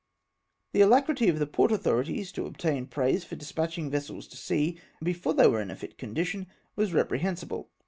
The alacrity of the port authorities to obtain praise for despatching vessels to sea before they were in fit condition, was reprehensible.